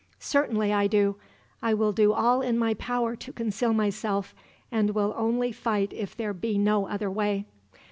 "Certainly I do. I will do all in my power to conceal myself, and will only fight if there be no other way."